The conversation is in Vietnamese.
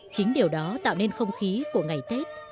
chính điều đó tạo nên không khí của ngày tết